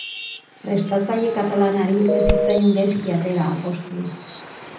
Prestatzaile katalanari ez zitzaion gaizki atera apostua.